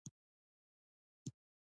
هغه هغې ته د روښانه هوا ګلان ډالۍ هم کړل.